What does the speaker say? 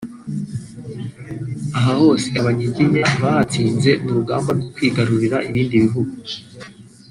Aha hose Abanyiginya bahatsinze mu rugamba rwo kwigarurira ibindi bihugu